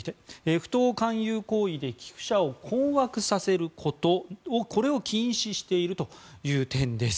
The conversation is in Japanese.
不当勧誘行為で寄付者を困惑させることを禁止しているという点です。